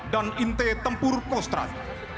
dan inti tempur prostrat